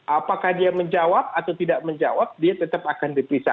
apakah dia menjawab atau tidak menjawab dia tetap akan diperiksa